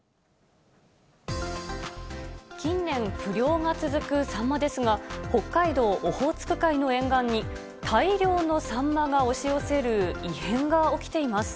近年、不漁が続くサンマですが、北海道オホーツク海の沿岸に、大量のサンマが押し寄せる異変が起きています。